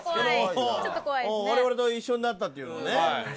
我々と一緒になったっていうのもね。